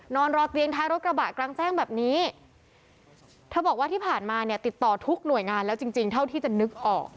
นอนรอเตียงท้ายรถกระบะกลางแจ้งแบบนี้เธอบอกว่าที่ผ่านมาเนี่ยติดต่อทุกหน่วยงานแล้วจริงจริงเท่าที่จะนึกออก